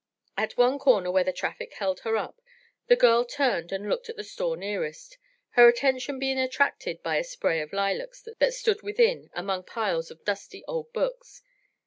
At one corner where the traffic held her up, the girl turned and looked at the store nearest, her attention being attracted by a spray of lilacs that stood within among piles of dusty old books.